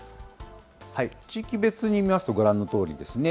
地域別に見ますと、ご覧のとおりですね。